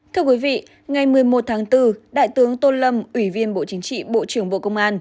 thưa quý vị ngày một mươi một tháng bốn đại tướng tô lâm ủy viên bộ chính trị bộ trưởng bộ công an